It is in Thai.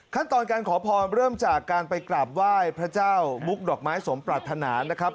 ขั้นตอนการขอพรเริ่มจากการไปกราบไหว้พระเจ้ามุกดอกไม้สมปรัฐนานะครับ